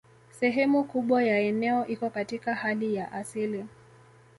Sehemu kubwa ya eneo iko katika hali ya asili